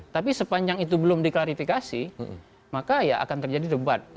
tapi sepanjang itu belum diklarifikasi maka ya akan terjadi debat